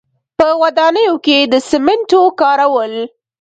په ودانیو کې د سیمنټو کارول.